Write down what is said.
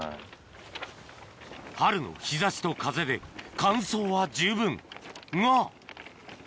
春の日差しと風で乾燥は十分が！